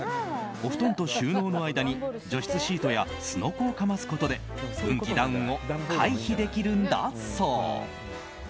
お布団と収納の間に除湿シートやすのこをかますことで運気ダウンを回避できるんだそう。